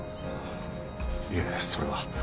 いえそれは。